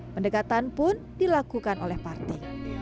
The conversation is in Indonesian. pendekatan pun dilakukan oleh parti